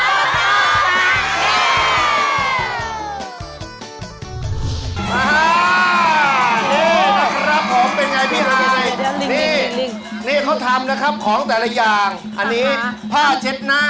นี่แหละครับผมเป็นไงพี่ฮายนี่นี่เขาทำนะครับของแต่ละอย่างอันนี้ผ้าเช็ดหน้า